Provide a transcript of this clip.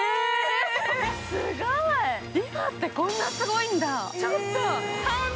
すごい、リファってこんなすごいんだ。